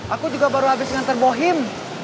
aku juga baru habis nganter bohim